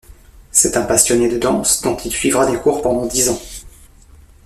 C'est un passionné de danse dont il suivra des cours pendant dix ans.